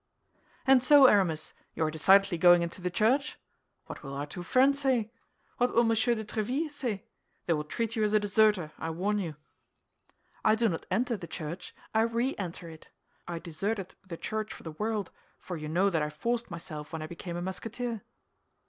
"And so, Aramis, you are decidedly going into the Church? What will our two friends say? What will Monsieur de Tréville say? They will treat you as a deserter, I warn you." "I do not enter the Church; I re enter it. I deserted the Church for the world, for you know that I forced myself when I became a Musketeer."